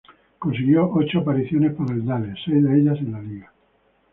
Consiguió ocho apariciones para el Dale, seis de ellas en la liga.